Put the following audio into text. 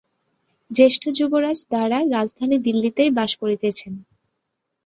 জ্যেষ্ঠ যুবরাজ দারা রাজধানী দিল্লিতেই বাস করিতেছেন।